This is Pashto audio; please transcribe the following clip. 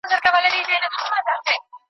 د پناه غوښتونکي حق باید نه تر پښو لاندي کېږي.